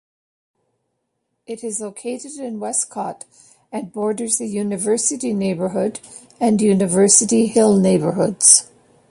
It is located in Westcott, and borders the University Neighborhood and University Hill neighborhoods.